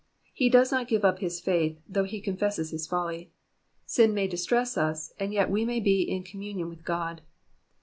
''^ He does not give up his faith, though he confesses his folly. Sin may distress us, and yet we may be in communion with God.